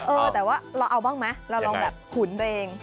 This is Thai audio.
เออแต่ว่าเราเอาบ้างไหมเราลองแบบขุนตัวเอง